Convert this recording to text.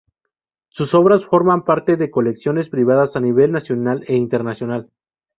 Sus obras forman parte de colecciones privadas a nivel nacional e internacional.